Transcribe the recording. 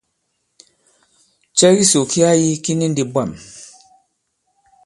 Cɛ kisò ki a yī ki ni ndī bwâm.